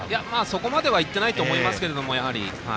そこまではいってないと思いますけれども。